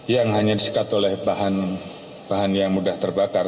yang hanya disikat oleh bahan bahan yang mudah terbakar